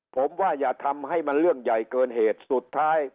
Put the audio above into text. ผมว่าอย่าทำให้มันเรื่องใหญ่เกินเหตุสุดท้าย